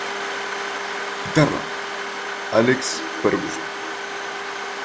Guitarra: Alex Ferguson.